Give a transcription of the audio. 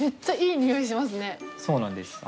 そうなんです